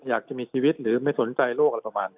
อยากจะมีชีวิตหรือไม่สนใจโลกอะไรประมาณนี้